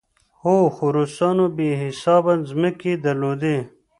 هو، خو روسانو بې حسابه ځمکې درلودې.